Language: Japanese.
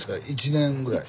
１年ぐらい？